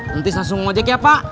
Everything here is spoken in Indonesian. nanti langsung mengojek ya pak